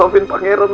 maafin pangeran ma